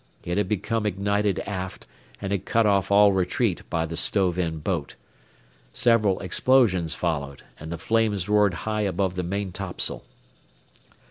It had become ignited aft and had cut off all retreat by the stove in boat. Several explosions followed, and the flames roared high above the maintopsail.